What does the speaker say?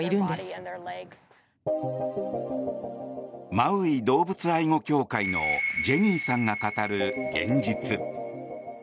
マウイ動物愛護協会のジェニーさんが語る現実。